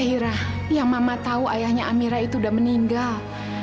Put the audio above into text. yang mama tahu ayahnya amira itu udah meninggal